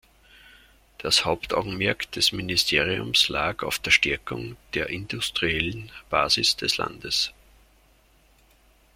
Das Hauptaugenmerk des Ministeriums lag auf der Stärkung der industriellen Basis des Landes.